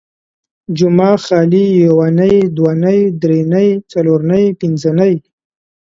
جمعه ، خالي ، يونۍ ،دونۍ ، دري نۍ، څلور نۍ، پنځه نۍ